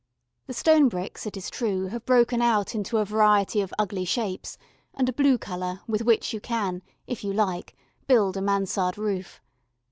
The stone bricks, it is true, have broken out into a variety of ugly shapes and a blue colour with which you can, if you like, build a Mansard roof.